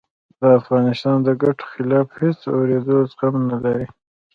د افغانستان د ګټو خلاف هېڅ د آورېدلو زغم نه لرم